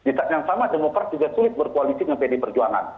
di saat yang sama demokrat juga sulit berkoalisi dengan pd perjuangan